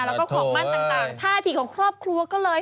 แล้วก็ของมั่นต่างท่าทีของครอบครัวก็เลย